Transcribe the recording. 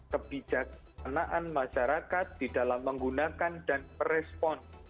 kebijaksanaan masyarakat di dalam menggunakan dan merespon